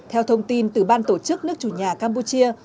theo thông tin từ ban tổ chức nước chủ nhà campuchia